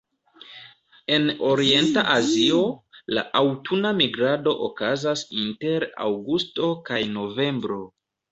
En orienta Azio, la aŭtuna migrado okazas inter aŭgusto kaj novembro.